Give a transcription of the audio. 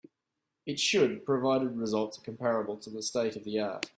It should provided results comparable to the state of the art.